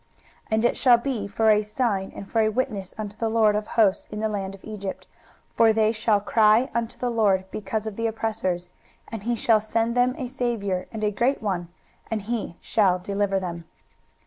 23:019:020 And it shall be for a sign and for a witness unto the LORD of hosts in the land of Egypt: for they shall cry unto the LORD because of the oppressors, and he shall send them a saviour, and a great one, and he shall deliver them.